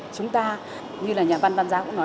chúng ta như là nhà văn văn gia cũng nói